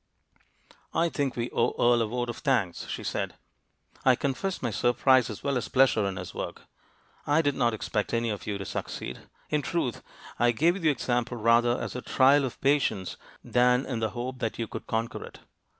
"I think we owe Earle a vote of thanks," she said. "I confess my surprise as well as pleasure in his work; I did not expect any of you to succeed. In truth, I gave you the example rather as a trial of patience than in the hope that you could conquer it.